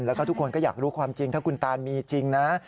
แล้วก็ทุกคนก็อยากรู้ความจริงถ้าคุณตานมีจริงนะ